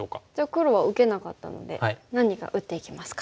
黒は受けなかったので何か打っていきますか。